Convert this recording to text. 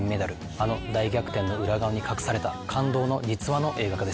あの大逆転の裏側に隠された感動の実話の映画化です。